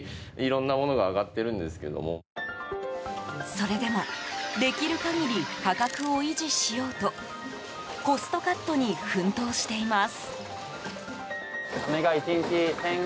それでも、できる限り価格を維持しようとコストカットに奮闘しています。